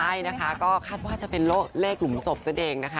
ใช่นะคะก็คาดว่าจะเป็นเลขหลุมศพนั่นเองนะคะ